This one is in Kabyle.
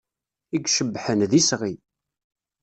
I icebḥen, d isɣi.